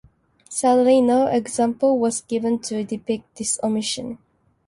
Sadly, no example was given to depict this omission.